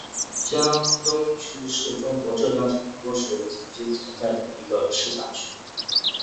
江东区是中国浙江省宁波市曾经存在的一个市辖区。